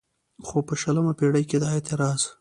خو په شلمه پېړۍ کې دا اعتراض